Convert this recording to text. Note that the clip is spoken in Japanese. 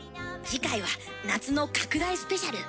次回は「夏の拡大スペシャル」。